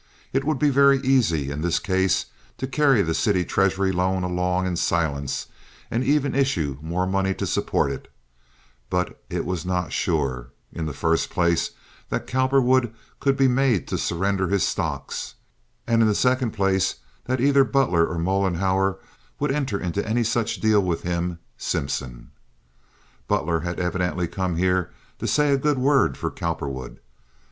It would be very easy in this case to carry the city treasury loan along in silence and even issue more money to support it; but it was not sure, in the first place, that Cowperwood could be made to surrender his stocks, and in the second place that either Butler or Mollenhauer would enter into any such deal with him, Simpson. Butler had evidently come here to say a good word for Cowperwood.